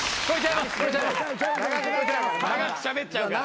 長くしゃべっちゃうから。